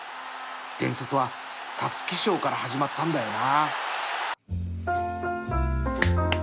伝説は皐月賞から始まったんだよな